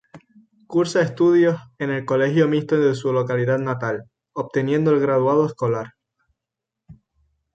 Cursa estudios, en el colegio mixto de su localidad natal, obteniendo el Graduado Escolar.